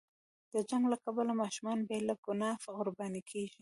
د جنګ له کبله ماشومان بې له ګناه قرباني کېږي.